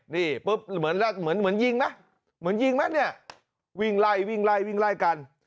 นี่ปุ๊บเหมือนยิงนะวิ่งไล่กัน